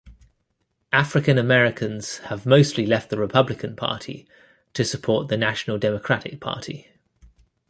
African Americans have mostly left the Republican Party to support the national Democratic Party.